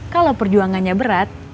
kalau perjuangannya berat